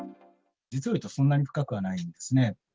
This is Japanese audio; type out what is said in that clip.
実を言うと、そんなに深くはないんですね。